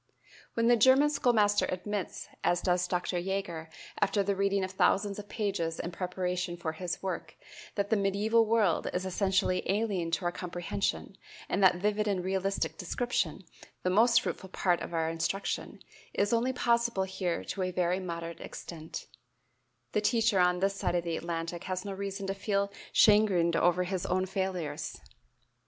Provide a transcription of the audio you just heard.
When the German schoolmaster admits, as does Dr. Jaeger, after the reading of thousands of pages in preparation for his work that "the medieval world is essentially alien to our comprehension, and that vivid and realistic description the most fruitful part of our instruction is only possible here to a very moderate extent," the teacher on this side of the Atlantic has no reason to feel chagrined over his own failures.